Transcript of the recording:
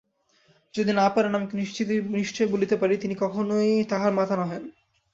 যদি না পারেন আমি নিশ্চই বলিতে পারি, তিনি কখনই তাহার মাতা নহেন।